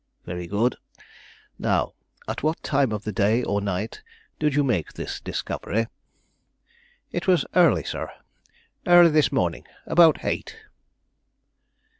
"Very good. Now at what time of the day or night did you make this discovery?" "It was early, sir; early this morning, about eight."